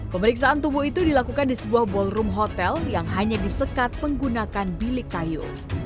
pemeriksaan tubuh itu dilakukan di sebuah ballroom hotel yang hanya disekat menggunakan bilik kayu